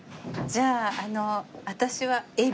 じゃああの私は。